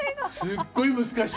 すっごい難しい。